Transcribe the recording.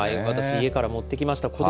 私、家から持ってきました。